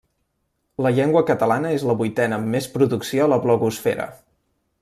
La llengua catalana és la vuitena amb més producció a la blogosfera.